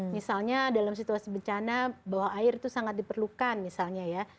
misalnya dalam situasi bencana bawah air itu sangat diperlukan misalnya ya